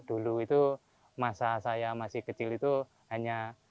dulu itu masa saya masih kecil itu hanya